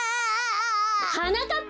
はなかっぱ！